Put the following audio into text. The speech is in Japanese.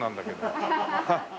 アハハハ！